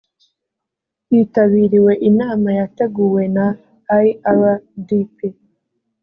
hitabiriwe inama yateguwe na irdp